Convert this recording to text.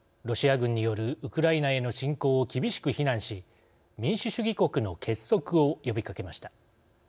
ロシア軍によるウクライナへの侵攻を厳しく非難し、民主主義国の結束を呼びかけました。